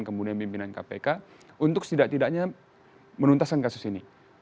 kemudian pimpinan kpk untuk setidak tidaknya menuntaskan kasus ini